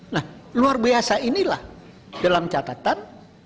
nah luar biasa inilah dalam catatan